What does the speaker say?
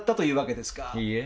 いいえ。